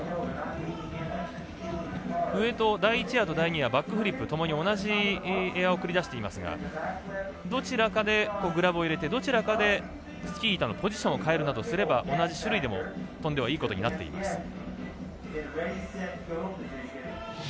上と第１エアと第２エアとバックフリップ、ともに同じエアを繰り出していますがどちらかでグラブを入れてどちらかでスキー板のポジションを変えるなどすれば同じ種類でも飛んでいいということになっています。